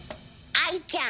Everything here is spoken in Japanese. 愛ちゃん。